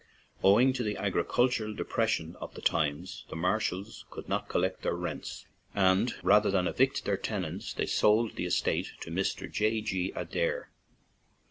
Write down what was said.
Owing to the agricultural depression of the times, the Marshalls could not collect their rents, and rather than evict their tenants they sold the estate to Mr. J. G. Adair.